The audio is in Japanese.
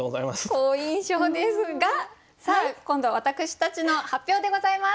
好印象ですが今度は私たちの発表でございます。